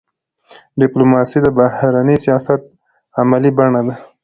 ډيپلوماسي د بهرني سیاست عملي بڼه ده.